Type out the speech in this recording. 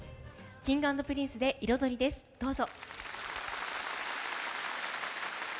Ｋｉｎｇ＆Ｐｒｉｎｃｅで「彩り」です、どうぞ。